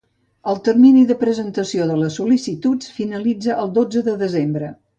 El termini de presentació de les sol·licituds finalitza el dotze de desembre.